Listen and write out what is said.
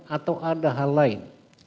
atau ada hal lain